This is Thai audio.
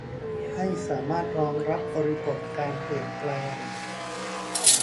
ให้สามารถรองรับบริบทการเปลี่ยนแปลง